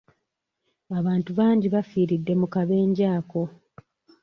Abantu bangi bafiiridde mu kabenje ako.